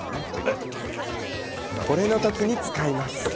これの時に使います。